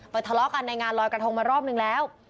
ทะเลาะกันในงานลอยกระทงมารอบนึงแล้ว